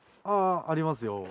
ああありますよ